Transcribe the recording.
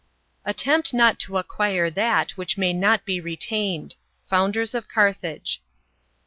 "Attempt not to acquire that, which may not be retained." FOUNDERS OF CARTHAGE.